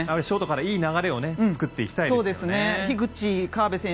ショートから、いい流れを作っていきたいですからね。